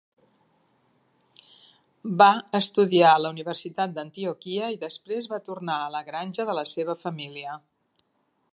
Va estudiar a la Universitat d'Antioquia i després va tornar a la granja de la seva família.